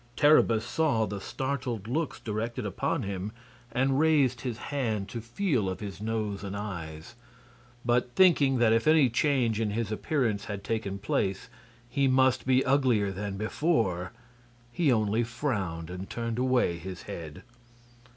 Terribus saw the startled looks directed upon him, and raised his hand to feel of his nose and eyes; but thinking that if any change in his appearance had taken place, he must be uglier than before, he only frowned and turned away his head.